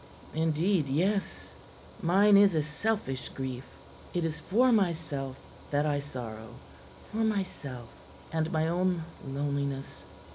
"Indeed, yes. Mine is a selfish grief. It is for myself that I sorrow, for myself and my own loneliness.